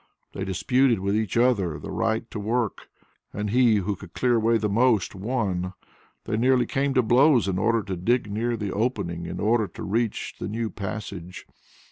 They disputed with each other the right to work, and he who could clear away the most won; they nearly came to blows in order to dig near the opening in order to reach the new passage.